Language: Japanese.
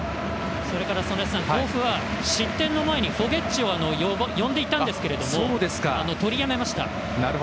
それから曽根さん、甲府は失点の前にフォゲッチを呼んでいたんですけども取りやめました。